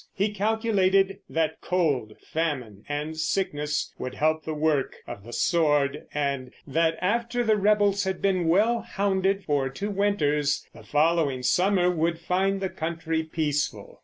He calculated that cold, famine, and sickness would help the work of the sword, and that after the rebels had been well hounded for two winters the following summer would find the country peaceful.